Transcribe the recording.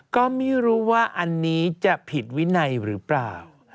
ก็ไม่รู้ว่าอันนี้จะผิดวินัยหรือเปล่า